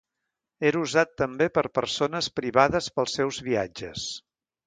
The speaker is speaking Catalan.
Era usat també per persones privades pels seus viatges.